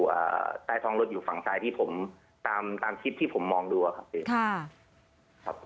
อ่าใต้ท้องรถอยู่ฝั่งซ้ายพี่ผมตามตามคลิปที่ผมมองดูอะครับพี่ค่ะครับ